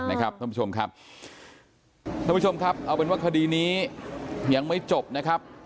ท่านผู้ชมครับท่านผู้ชมครับเอาเป็นว่าคดีนี้ยังไม่จบนะครับ